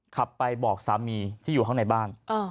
ขับไปบอกสามีที่อยู่ข้างในบ้าน